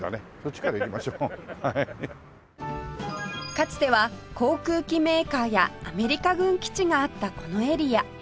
かつては航空機メーカーやアメリカ軍基地があったこのエリア